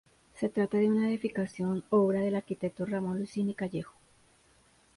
Se trata de una edificación obra del arquitecto Ramón Lucini Callejo.